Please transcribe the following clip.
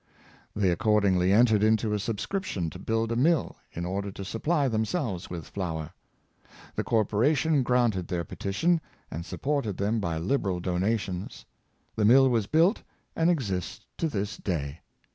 They accordingly entered into a subscrip tion to build a mill, in order to supply themselves with flour. The corporation granted their petition, and sup ported them by liberal donations. The mill was built, and exists to this day.